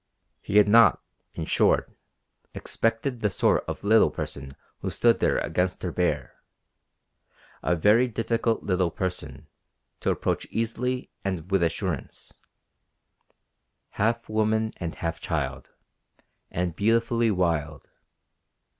He had not, in short, expected the sort of little person who stood there against her bear a very difficult little person to approach easily and with assurance half woman and half child, and beautifully wild.